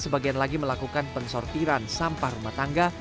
sebagian lagi melakukan pensortiran sampah rumah tangga